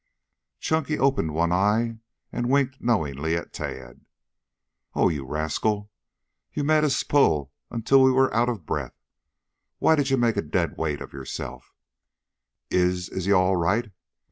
Chunky opened one eye and winked knowingly at Tad. "Oh, you rascal! You've made us pull until we are out of breath. Why'd you make a dead weight of yourself?" "Is is he all right?"